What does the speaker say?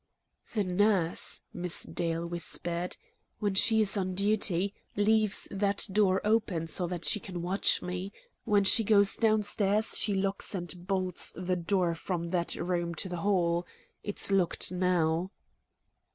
"The nurse," Miss Dale whispered, "when she is on duty, leaves that door open so that she can watch me; when she goes downstairs, she locks and bolts the door from that room to the hall. It's locked now."